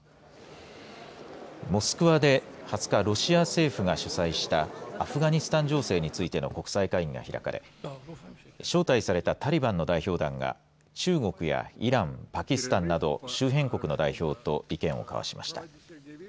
モスクワで２０日ロシア政府が主催したアフガニスタン情勢についての国際会議が開かれ招待されたタリバンの代表団が中国やイラン、パキスタンなど周辺国の代表と意見を交わしました。